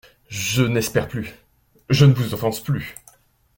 Je n’espère plus … je ne vous offense plus.